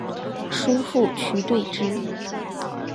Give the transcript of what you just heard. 叔父瞿兑之。